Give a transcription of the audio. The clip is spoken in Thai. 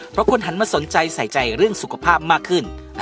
เพราะคนหันมาสนใจใส่ใจเรื่องสุขภาพมากขึ้น